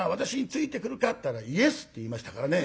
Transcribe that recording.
ったら「イエス」って言いましたからね。